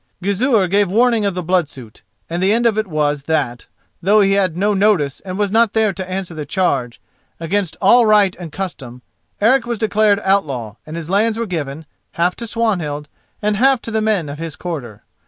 Gizur gave warning of the blood suit, and the end of it was that, though he had no notice and was not there to answer to the charge, against all right and custom Eric was declared outlaw and his lands were given, half to Swanhild and half to the men of his quarter.